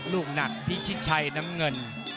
รูปหนักพี่ชิดชัยน้ำเงิน